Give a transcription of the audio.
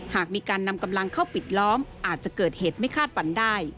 หากมีการนำกำลังเข้าปิดล้อมอาจจะเกิดเหตุไม่คาดฝันได้